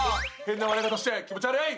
変な笑い方して気持ち悪い！